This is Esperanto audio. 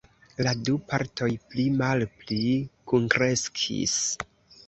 La du partoj pli-malpli kunkreskis.